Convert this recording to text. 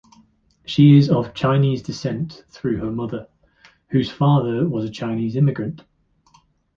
She is of Chinese descent through her mother, whose father was a Chinese immigrant.